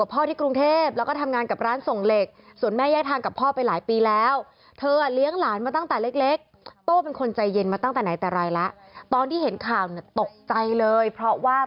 เพราะเรามันโจรค่ะ